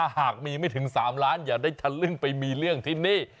หากมีไม่ถึง๓ล้านอย่าได้ทะลึ่งไปมีเรื่องที่นี่